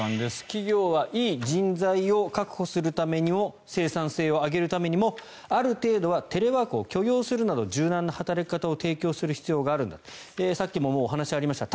企業はいい人材を確保するためにも生産性を上げるためにもある程度はテレワークを許容するなど柔軟な働き方を提供する必要があるんだとさっきもお話ありました。